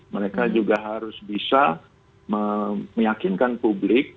mereka juga harus bisa meyakinkan publik